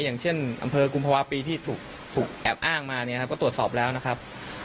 อย่างเช่นอำเภอกุมภาวะปีที่ถูกแอบอ้างมาเนี่ยครับก็ตรวจสอบแล้วนะครับ